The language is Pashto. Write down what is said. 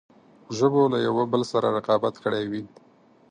ژبو له یوه بل سره رقابت کړی وي.